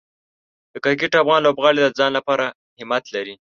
د کرکټ افغان لوبغاړي د ځان لپاره همت لري.